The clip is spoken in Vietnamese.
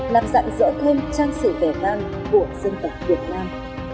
làm dặn rõ thêm trang sử vẻ vang của dân tộc việt nam